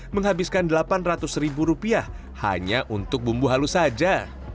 menghabiskan delapan ratus ribu rupiah hanya untuk bumbu halus saja